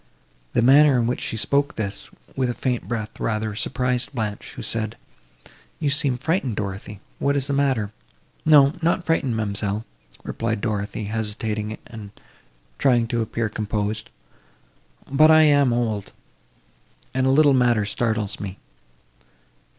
The manner, in which she spoke this, with a faint breath, rather surprised Blanche, who said, "You seemed frightened, Dorothée, what is the matter?" "No, not frightened, ma'amselle," replied Dorothée, hesitating and trying to appear composed, "but I am old, and—a little matter startles me."